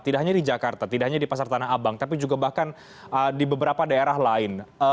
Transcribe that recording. tidak hanya di jakarta tidak hanya di pasar tanah abang tapi juga bahkan di beberapa daerah lain